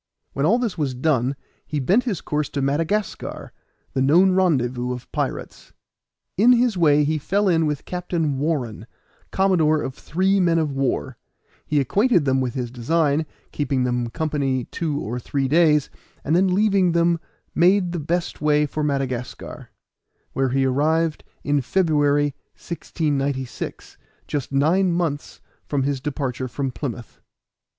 When all this was done he bent his course to Madagascar, the known rendezvous of pirates. In his way he fell in with Captain Warren, commodore of three men of war; he acquainted them with his design, kept them company two or three days, and then leaving them made the best way for Madagascar, where he arrived in February, 1696, just nine months from his departure from Plymouth.